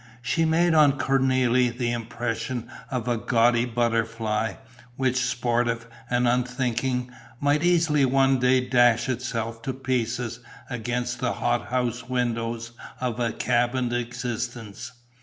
She made on Cornélie the impression of a gaudy butterfly, which, sportive and unthinking, might easily one day dash itself to pieces against the hot house windows of our cabined existence.